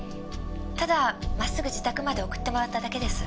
ただ真っすぐ自宅まで送ってもらっただけです。